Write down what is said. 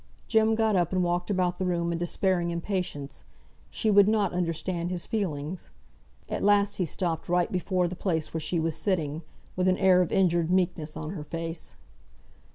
Jem got up, and walked about the room in despairing impatience. She would not understand his feelings. At last he stopped right before the place where she was sitting, with an air of injured meekness on her face.